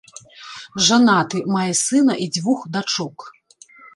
Жанаты, мае сына і дзвюх дачок.